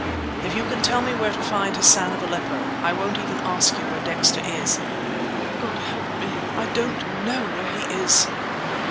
If you can tell me where to find Hassan of Aleppo, I won't even ask you where Dexter is—" "God help me! I don't know where he is!"